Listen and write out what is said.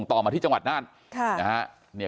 กลุ่มตัวเชียงใหม่